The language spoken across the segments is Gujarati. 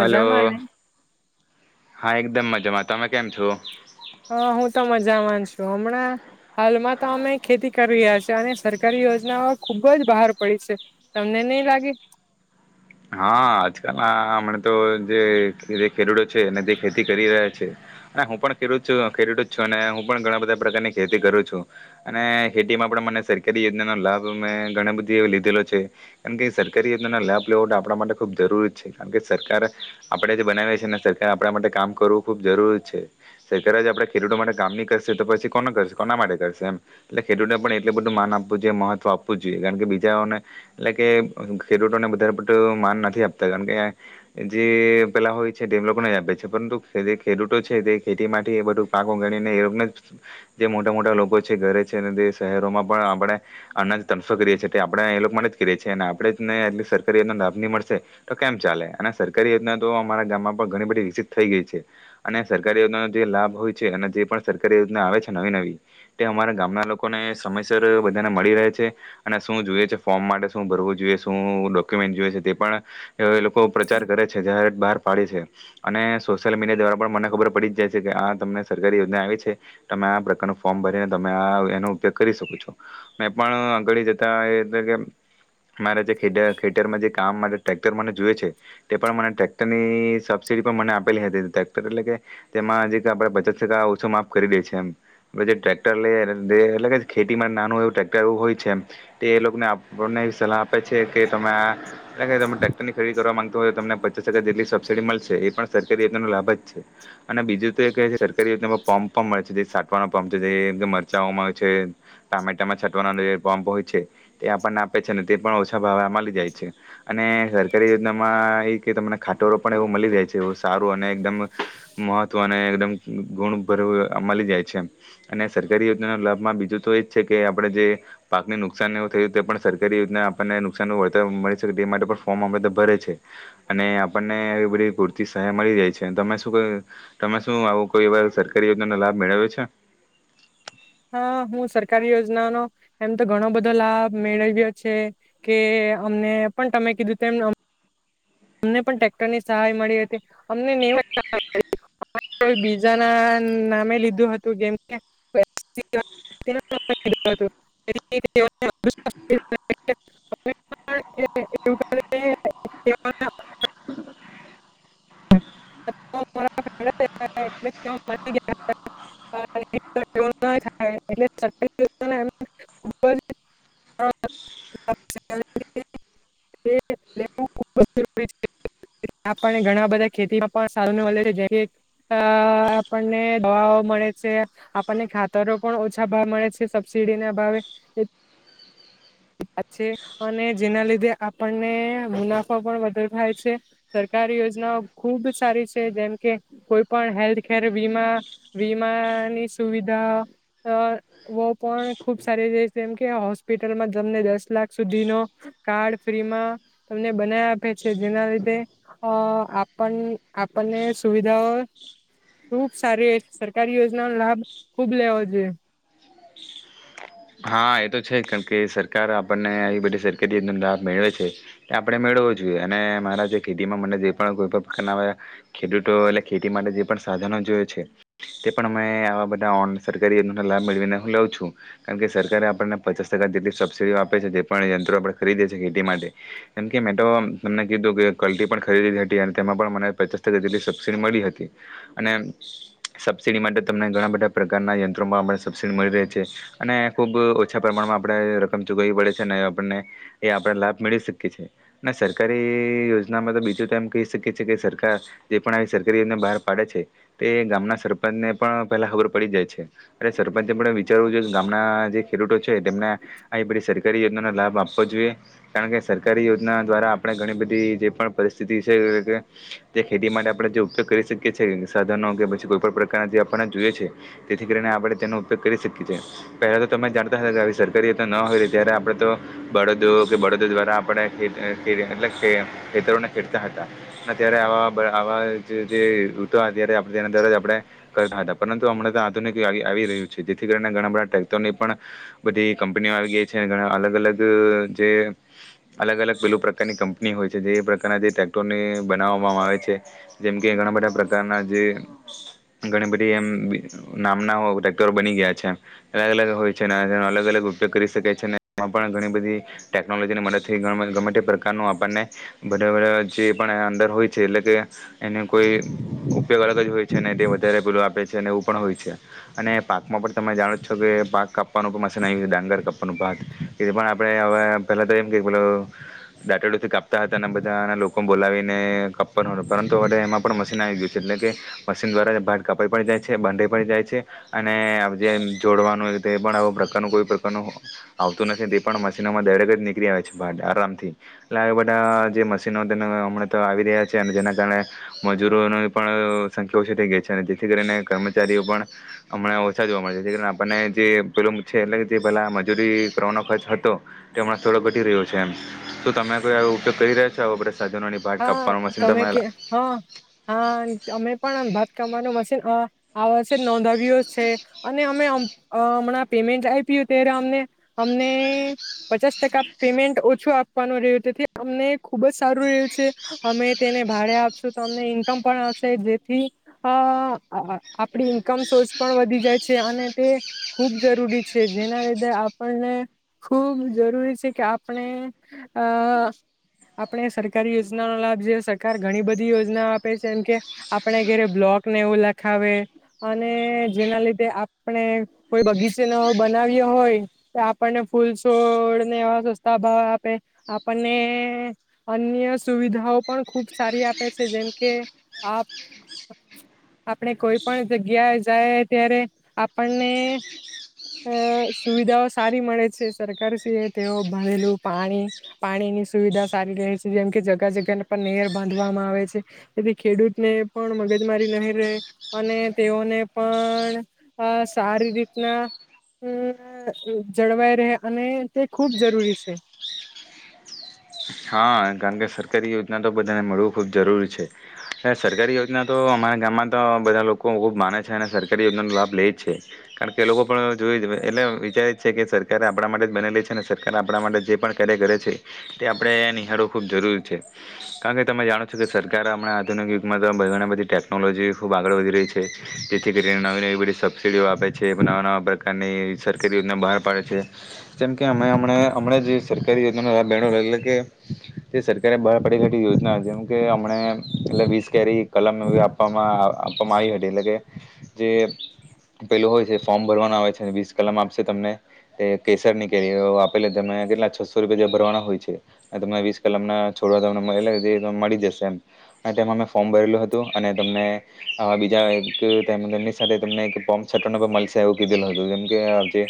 હલો ને હા એકદમ મજામાં. તમે કેમ છો. હા હું તો મજા માંછું હમણાં. હાલમાં તો અમે ખેતી કરી રહ્યા છેએ અને સરકારી યોજનાઓ ખુબ જ બહાર પડી છે તમને નહી લાગે. હા આજકાલના હમણા તો જે ખેડૂતો છે અને તે ખેતી કરી રહ્યા છે અને હું પણ ખેડૂત છું ખેડૂતો જ છું અને હું પણ ઘણા બધા પ્રકારની ખેતી કરું છું અને ખેતીમાં પણ મને સરકારી યોજનાનો લાભ મેમે ઘણા બધી એ લીધેલો છે કારણ કે સરકારી યોજનાનો લાભ આપણા માટે ખૂબ જરૂરી છે કારણ કે સરકાર આપણેે જે બનાવી છે ને સરક આપણા માટે કામ કરવું ખૂબ જરૂરી છે સરકાર જ આપણે ખેડૂતો માટે કામ નહી કરશે તો પછી કો કરશે કોના માટે કરશે એમ એટલે ખેડૂતોને પણ એટલ બધું માન આપવું જોઈએ મહત્વ આપવું જોઈએ કારણ કે બીજાને એટલે કે ખેડૂતોને માન નથી આપતા કારણ કે જે પેલા હોય છે તે લોકો આપે છે પરંતુ જે ખેડૂતો છે તે ખેતી થી એ બધું પાકો ગણીને એ લોકોને જે મોટા મોટા લોકો છે ઘરે છેને તે શહેરોમાં પણ આપણે અના તણફો કરીએ છીએ તે આપણે એ લોકો માટે જ કરીએ છીએ અને આપણે જને એટલે સરકાર. યોજના લાભ નની મળશે તો કેમ ચાલે અને સરકારી યોજના તો અમારા ગામમાં ઘણી બધી વિકસિત થઈ ગઈ છે અને સરકારી યોજનાનો જે લાભ હોય છે અને જે પણ સરકારી યોજના આવે છે નવી નવી તે અમારા ગામના લોકોને સમયસર બધાને મળી રહે છે અને શું જોઈએ છે ફોર્મ માટે શું ભરવું જોઈએ શુ જોએ છે તે પણ એ એ લોકો પ્રચાર કરે છે જયારે બાર પાડી છે. અને સોશિયલ મીડિયા દ્વારા પણ મને ખબર પડી જ જાય છે, કે આ તમને સરકારી યોજના આવી છે, તમે આ પ્રકારનું ફોર્મ ભરીને તમે આ એનો ઉપયોગ કરી શકો છો. મેં પણ અગાડી જતા એ કે મારા જે ખેતર ખેતરમાં જે કામ માટે ટેક્ટર મને જોયએ છે, તે પણ મને ટેક્ટર ની સબસીડી પણ મને આપેલી હતી. ટેક્ટર એટલે કે, તેમાં જે આપણે પચાસ ટકા ઓછો માફ કરી દે છે એમ. જે ટક્ટર લઈ એટલે ખેતીમાં નાનું એવું ટેક્ટર એવું હોય છે એમ. તે એ લોકોને આપણને સલાહ આપે છે. કે તમે એટલે કે તમે ટ્રેક્ટર ની ખરીદી કરવા માંગ તો તમને પચાસ હજાર જેટલી સબસિડી મલસે. એ પણ સરકારી યોજનાનો લાભ જ છે. અને બીજું તો એ છે સરકારી યોજનામાં પંપ પણ મળે છે, જે છાંટવાનો પંપ છે, જેમ કે મરચાઓમાં હોય છે, ટામેટામાં છાંટવાનો જે પંપ હોય છે, તે આપણને આપે છે ને તે પણ ઓછા ભાવે મલી જાય છે. અને સરકારી યોજનામાં એ કે તમને ખાટોરો પણ એવો મલી જાય છે, એવ સારું અને એકદમ મહત્વ અને એકદમ ગુણ ભરવું મલી જાય છે. અને સરકારી યોજનાનો લાભમાં બીજું તો એજ છે કે આપણે જે પાકને નુકસાન ને એવું થયું તે પણ સરકારી યોજના આપણને નુકસાનનું વળતર મળી શકે તે એ માટે પણ ફોર્મ આપે તો ભરે છે. અને આપણને એ બધી પૂરતી સહાય મળી જાય છે. તમે શું તમે શું આવું કોઈ એ સરકારી યોજનાનો લાભ મેળવ્યો છે? હા, હું સરકારી યોજનાનો એમ તો ઘણો બધો લાભ મેળવ્યો છે. કે અમને પણ તમે કીધું તેમ અમને પણ ટેક્ટરની સહાય મળી હતી. [unintelligible] અમને બીજાના નામે લીધું હતું કેમ કે [unintelligible] [unintelligible] બધા ખેતીમાં પણ સારુ ને મલે છે, જે કંઈ આપણને દવાઓ મળે છે, આપણને ખાતરો પણ ઓછા ભાવે મળે છે સબસીડી ના ભાવે. [unintelligible] અને જેના લીધે આપણને મુનાફા પણ વધારે થાય છે. સરકારી યોજનાઓ ખુબ સારી છે, જેમકે કોઈ પણ હેલ્થકેર વીમા. વીમાની સુવિધાઓ પણ ખૂબ સારી, ર જેમકે હોસ્પિટલમાં તમને દસ લાખ સુધીનો કાર્ડ ફ્રીમાં તમને બનાવી આપે છે. જેના લીધે અ આપણ આપણને સુવિધાઓ ખૂબ સારી છે. સરકારી યોજનાનો લાભ ખૂબ લેવો જોઈએ. હા, એ તો છે જ. કારણ કે સરકાર આપણને આવી બધી સરકારી યોજનાનો લાભ મેળવે છે, તે આપણે મેળવવો જોઈએ. અને મારા જે ખેતીમાં મને જે પણ કોઈ પણ પ્રકારના ખેડૂતો એટલે ખેતી માટે જે પણ સાધનો જોયએ છે, તે પણ અમે આવા બધા ઓન સરકારી યોજના લાભ મેળવીને હું લઉં છું. કારમકે સરકારે આપણને પચાસ ટકા જેટલી સબસિડીઓ આપે છે, જે પણ યંત્રો આપણે ખરીદીએ છે ખેતી માટે. કેમ કે મેં તમને કીધું કે કલટી પણ ખરીદી હતી અને તેમાં પણ મને પચાસ ટકા જેટલી સબસિડી મળી હતી. અને સબસિડી માટે તમને ઘણા બધા પ્રકારના યંત્રોમાં પણ સબસિડી મળી રહી છે. અને ખૂબ ઓછા પ્રમાણમાં આપણે રકમ ચૂકવવી પડે છે, અને આપણને, એ આપણે લાભ મેળવી શકીએ છીએ. અને સરકારી યોજનામાં તો બીજું તો એમ કહી શકીએ છે કે, સરકાર જે પણ આવી સરકારી યોજના બહાર પાડે છે, તે એ ગામના સરપંચને પણ પહેલાં ખબર પડી જાય છે. અને સરપંચે પણ વિચારવું જોઈએ ગામડા જે ખેડૂતો છે તેમના, આવી બધી સરકારી લાભ આપવો જોઈએ, કારણ કે સરકારી યોજના દ્વારા આપણે ઘણી બધી જે પણ પરિસ્થિતિ છે, તે ખેતી માટે આપણે જે ઉપયોગ કરી શકીએ છ છે, સાધનો કે પછી કોઈ પણ પ્રકારના જે આપને જોઈએ છે. તેથી કરીને આપણે તેનો ઉપયોગ કરી શકીએ છીએ. પહેલા તો તમે જાણતા [unintelligible] સરકારી ન હોય ત્યારે આપણે તો બળદો કે બળદો દ્વારા આપણે ખે એટલે ખે ખેતરોને ખેડતા હતા. યારે ત્યારે તે દ આપ કરતા હતા પરંતુ હમણાં તો આધુનિક આવી રહ્યું છે. જેથી કરીને ઘણા બધા. ટેક્ટરની પણ બધી કંપનીઓ આવી ગઈ છે ઘણા અલગ અલગ જે અલગ અલગ પેલું પ્રકારની કંપની હોય છે જે પ્રકારના જે ટક્ટરની બનાવવામાં આવે છે જેમ કે ઘણા બધા પ્રકારના જે ઘણી બધી એમ નામના ટક્ટર બની ગયા છે. અલગ અલગ હોય છે તેનો અલગ અલગ ઉપયોગ કરી શકે છે અને એમાં પણ ઘણી બધી ટેકનોલોજીની મદદથી ગમે તે પ્રકારનું આપણને બધા જે પણ અંદર હોય છે, એટલે કે એનો કોઈ ઉપયોગ અલગ જ હોય છે ને તે વધારે પેલો આપે છે અને એવું પણ હોય છે અને પાકમાં પણ તમે જાણો. છકે પાક કાપવાનું પણ મશીન આવી ગયું છે. ડાંગર કાપવાનું પાક એથી પણ આપણે હવે પહેલાં તો એમ કે પે દાટેડુંથી કાપતા હતા અને બધાના લોકો બોલાવીને કપવાનું પરંતુ હવે એમાં પણ મશીન આવી ગયું છે એટલે કે મશીન દ્વારા ભાત કાપાઈ પડી જાય છે બાંધાઈ પડી જાય છે અને જે. [unintelligible] જોડવાનું તે પણ આ પ્રકારનું કોઈ પ્રકારનું આવતું નથી તે પણ મશીનોમાં દરેક જ નીકળી આવે છે આરામથી એટલે આ બધા જે મશીનો તેને હમણાં તો આવી રહ્યા છે અને જેના કારણે મજૂરોની પણ સંખ્યા ઓછી થઈ ગઈ છે જેથી કરીને કર્મચારીઓ પણ હમણાં ઓછા જોવા મળે છે જે અને જે પેલું છે એટલે જે પેલા મજૂરી કરવાનો ખર્ચ હતો તે હમણાં થોડો ઘટી રહ્યો છે એમ તો તમે કોઈ ઉપયોગ કરી રહ્યા છો આપડ હા તમે કે હા હા અમે પણ અમ કમાનું મશીન અ આ વર્ષે જ નોંધાવીયુ છે અને હમણાં પેમેન્ટ આપ્યું ત્યારે અમને અમને પચાસ ટકા પેમેન્ટ ઓછું આપવાનું રહ્યું તેથી અમને ખુબ જ સારું રહ્યું. અમે તેને ભાડે આપશું તો અમને ઈન્કમ પણ આવશે જેથી આપડી ઈન્કમ સોર્સ પણ વધી જાય છે અને તે ખૂબ જરૂરી છે જેના લીધે આપણને ખૂબ જરૂરી છે કે આપણે આપણે સર. સરકારી યોજના નો લાભ જોઈએ સરકાર ઘણી બધી યોજના આપે છે એમ કે આપણે ઘરે બ્લોકને એવું લખાવે અને જેના લીધે આપણે કોઈ બગીચે ન બનાવ્યો હોય તો આપણને ફૂલ છોડને એવા સસ્તા ભાવ આપે આપણને. અન્ય સુવિધાઓ પણ ખુબ સારી આપે છે જેમકે આપ આપણે કોઈ પણ જગ્યા જાય ત્યારે આપણને સુવિધાઓ સારી મળે છે સરકારશ્રીએ તેઓ ભરેલું પાણી પાણીની સુવિધા સારી રહે છે. જેમ કે જગા જગ્યાને પણ નેર બાંધવામાં આવે છે તેથી ખેડૂતને પણ મગજમારી નહી રહે અને તેઓને પણ સારી રીતના જળવાય રહે અને તે ખૂબ જરૂરી છે. હા કારણ કે સરકારી યોજના તો બધાને મળવું ખૂબ જરૂરી છે સરકારી યોજના તો અમારા ગામમાં તો બધા લોકો ખૂબ માને છે અને સરકારી યોજનાનો લાભ લે જ છે કારણ કે એ લોકો પણ જોઈ જ એટલે વિચારે જ છે કે સરકારે આપણા માટે જ બનેલી છે અને સરકાર આપણા માટે જે પણ કાર્ય કરે છે તે આપણેહીયા નિહાળવું ખૂબ જરૂરી છે કારણ કે તમે જાણો છો કે સરકાર હણાં આધુનિક યુગમાં તો ઘણી બધી ટેકનોલોજી ખૂબ આગળ વધી રહી છે જેથી કરીને નવી નવી બધી સબસિડીઓ આપે છે નવા નવા પ્રકારની સરકારી યોજના બહાર પાડે છે જેમ કે અમે હમણા હમં જ સરકારી યોજનાનો લાભ અલગ અલગ કે જે સરકારે બહાર પડીે યોજના જેમ કે અમને એટલે વીસ કેરી કલમ એવી આપવામાં આપવામાં આવી હતી એટલે કે જે પેલું હોય છે ફોર્મ ભરવાનું આવે છે વીસ કલમ આપશે તમને તે કેસર ની કેરી આપે તમને કેટલા છસો રૂપિયા જે ભરવાના હોય છે. તમે વીસ કલામ ના છોડવા તમને મળ મળી જશે એમ તેમાં અમે ફોર્મ ભરેલું હતું અને તમને આ બીજાની સાથે તમને ફોર્મ છટ મળશે એવું કીધેલું હતું જેમ કે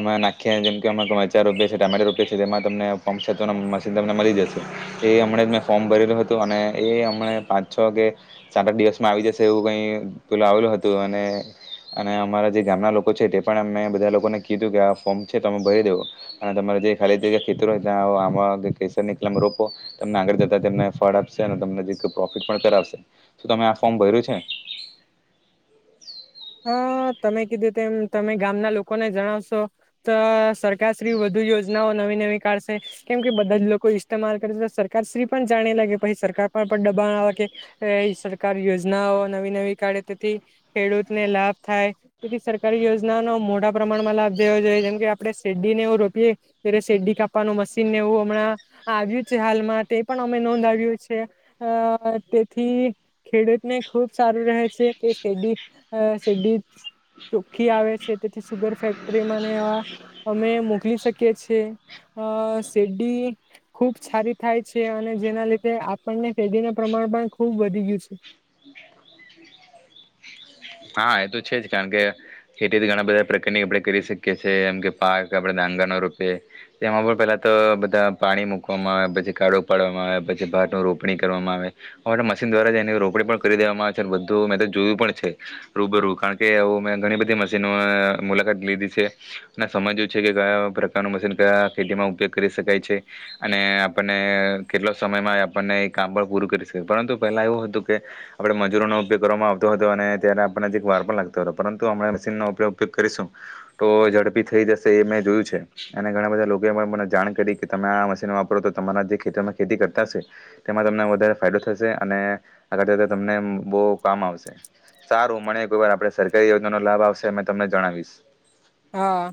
અમે નાખી જેમ અમેચ રપ ટામેટા રોપિયા છે તેમાં તમને ફર્મ તો મશીન તમને મળી જશે એ હમણા જ મેં ફોર્મ ભરેલું હતું અને એ હમને પાંચ છ કે સાત આઠ દિવસમાં આવી જશે એવું કંઈ પેલું આવેલું હતું અને અને અમારા જે ગામના લોકો છે તે પણ અમે બધા લોકોને કીધું તું કે આ ફોર્મ છે તમે ભરી દેવો અને તમારા જે ખાલી જગ્યા ખેતરો ત્યાં ની રો તમને આગળ જતાને ફળ આપશે તમને પ્રોફિટ પણ કરાવશે તમે આ ફોર્મ ભર્યું છે. હા તમે કીધું તેમ તમે ગામના લોકોને જણાવશો તો સરકારશ્રી વધુ યોજનાઓ નવી નવી કાઢશે કેમ કે બધા જ લોકો ઈસ્માલ કરશે તો સરકારશ્રી પણ જાણે લાગે પછી સરકાર પણ પણ દબાણ આવે કે સરકાર યોજનાઓ નવી નવી કાઢે તેથી ખેડૂત લાભ થાય તેથી સરકારી યોજના ન મોટા પ્રમાણમાં લાભ દેવો જોઈએ જેમ કે આપણે શેરડીને એવું રોપીએ ત શેરડી કાપવાનું મશીનને એવું હમણાં આવ્યું છે હાલમાં તે પણ અમે નોંધાવ્યું છે અ તેથી ખેડૂતને ખુબ સારું રહે છે કે શેરડી શેરડી ચોખ્ખી આવે છે તેથી સુગર ફેક્ટરીમાંને અમે મોકલી શકીએ છેએ આ શેરડી ખૂબ સારી થાય છે અને જેના લીધે આપણને શેરડીના પ્રમાણ પણ ખૂબ વધી ગયું છે. હા એ તો છે જ કારણ કે ખેતીથી ઘણા બધા પ્રકારની આપણે કરી શકીએ છીએ, એમ કે પાક આપણેે ડાંગા ન રૂપે એમાં પણ પેલા તો બધા પાણી મૂકવામાં આવે, પછી કાળો પાડવામાં આવે પછી ભાત ન રોપણી કરવામાં આવે હવે મશીન દ્વારા જ એની રોપણી પણ કરી દેવામાં આવે છે, બધું મેં તો જોયું પણ છે. રૂબ કારણ કે એું મેં ઘણી બધી મશીનો મુલાકાત લીધી છે, અને સમજ્યું છે કે કયા પ્રકારનું મશીન કયા ખેતીમાં ઉપયોગ કરી શકાય છે, અને આપણને કેટલા સમયમાં આપણને એ કામ પણ પૂરું કરી શકાય પરંતુ પહેલા એવું હતું, કે આપડ મજૂરોનો ઉપયોગ કરવામાં આવતો હતો અને ત્યારે આપણને અધિક વાર પણ લાગતો હતો, પરંતુ હમણા મશીનનો આપ ઉપયોગ કરીશું, તો ઝડપી થઈ જશે, એ મેં જોયું છે અને ઘણા બધા લોકો પણ મને જાણ કરી કે તમે આ મશીન વાપરો તો તમારા જે ખેતરમાં ખેતી કરતા હશે, તેમાં તમને વધારે ફાયદો થશે, અને આગળ તમને બહુ કામ આવશે. સારું મળ કો વાર આપડે સરકારી યોજના નો લાભ આવશે મે તમને જણાવીશ. હા.